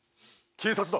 警察だ。